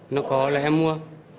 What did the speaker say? nó có là em mua